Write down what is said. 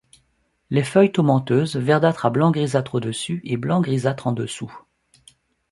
Les feuilles tomenteuses, verdâtre à blanc-grisâtre au-dessus et blanc-grisâtre en dessous.